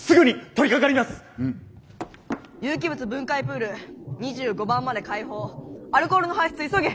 有機物分解プール２５番まで開放アルコールの排出急げ。